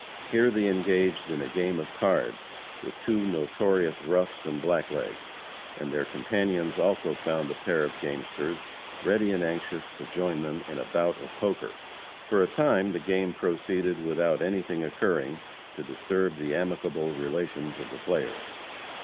Here they engaged in a game of cards with two notorious roughs and blacklegs; and their companions also found a pair of gamesters, ready and anxious to join them in a "bout of poker." For a time the game proceeded without anything occurring to disturb the amicable relations of the players.